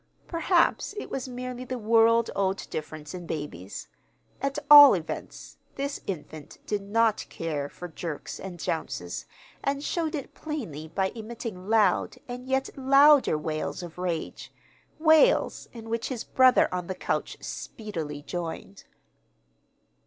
Perhaps it was merely the world old difference in babies. At all events, this infant did not care for jerks and jounces, and showed it plainly by emitting loud and yet louder wails of rage wails in which his brother on the couch speedily joined.